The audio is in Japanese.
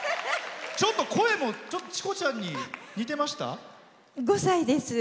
ちょっと声もチコちゃんに５歳です。